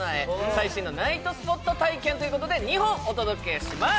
最新のナイトスポット体験ということで２本お届けします